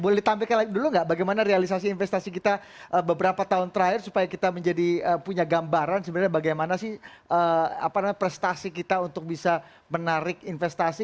boleh ditampilkan dulu nggak bagaimana realisasi investasi kita beberapa tahun terakhir supaya kita menjadi punya gambaran sebenarnya bagaimana sih prestasi kita untuk bisa menarik investasi